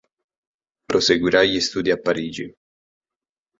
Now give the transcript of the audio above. Proseguirà gli studi a Parigi.